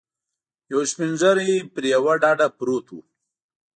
یو سپین ږیری پر یوه ډډه پروت و.